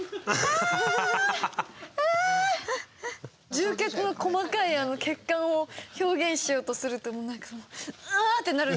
充血の細かい血管を表現しようとするとなんかもううあ！ってなるんですよ。